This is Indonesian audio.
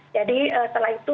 jadi setelah itu